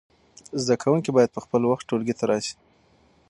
زده کوونکي باید په خپل وخت ټولګي ته راسی.